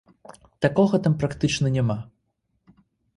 Такога там практычна няма.